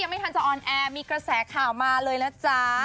ไม่ทันจะออนแอร์มีกระแสข่าวมาเลยนะจ๊ะ